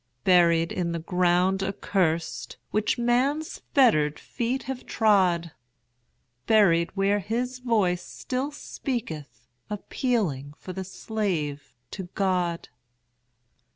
Buried in the ground accursed, Which man's fettered feet have trod; Buried where his voice still speaketh, Appealing for the slave to God.